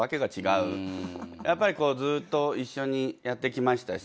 やっぱりずっと一緒にやってきましたし。